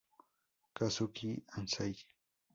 Kazuki Anzai